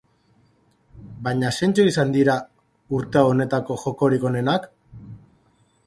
Baina zeintzuk izan dira urte honetako jokorik onenak?